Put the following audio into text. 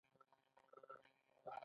د مغولو بیرغ اوچت وساتي.